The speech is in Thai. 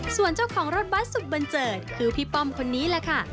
ส่วนเจ้าของรถบัสสุดบันเจิดคือพี่ป้อมคนนี้แหละค่ะ